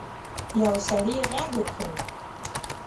یو سړي غږ وکړ.